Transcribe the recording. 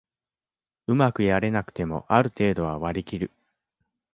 うまくやれなくてもある程度は割りきる